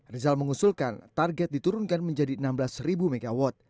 rizal mengusulkan target diturunkan menjadi enam belas mw